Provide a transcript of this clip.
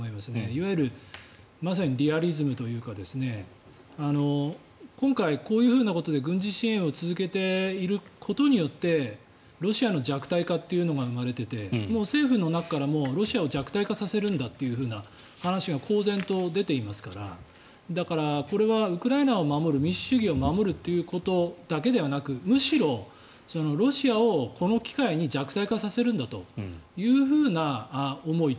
いわゆるまさにリアリズムというか今回、こういうことで軍事支援を続けていることによってロシアの弱体化というのが生まれていて政府の中からもロシアを弱体化させるんだという話が公然と出ていますからだから、これはウクライナを守る民主主義を守るっていうことだけではなくむしろ、ロシアをこの機会に弱体化させるんだという思い。